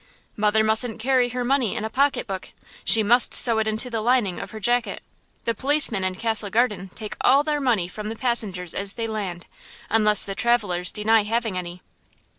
Mother mustn't carry her money in a pocketbook. She must sew it into the lining of her jacket. The policemen in Castle Garden take all their money from the passengers as they land, unless the travellers deny having any.